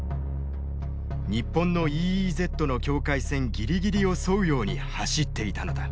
日本のＥＥＺの境界線ギリギリを沿うように走っていたのだ。